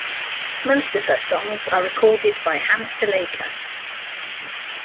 Most of her songs are recorded by Hamsalekha.